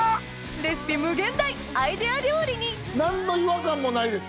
レシピ無限大アイデア料理に何の違和感もないです。